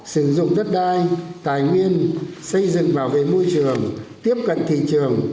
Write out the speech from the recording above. sử dụng đất đai tài nguyên xây dựng bảo vệ môi trường tiếp cận thị trường